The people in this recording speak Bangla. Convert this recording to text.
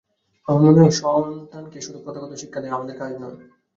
আমার মনে হয়, সন্তানকে শুধু প্রথাগত শিক্ষা দেওয়া আমাদের কাজ নয়।